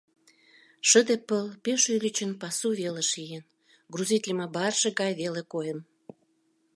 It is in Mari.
Шыде пыл пеш ӱлычын пасу велыш ийын, грузитлыме барже гай веле койын.